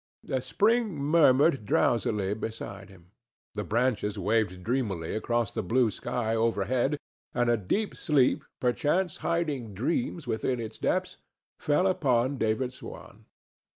The spring murmured drowsily beside him; the branches waved dreamily across the blue sky overhead, and a deep sleep, perchance hiding dreams within its depths, fell upon David Swan.